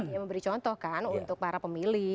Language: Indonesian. ya memberi contoh kan untuk para pemilih